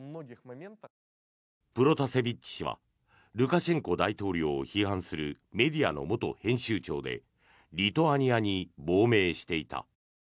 プロタセビッチ氏はルカシェンコ大統領を批判するメディアの元編集長でリトアニアに亡命していた。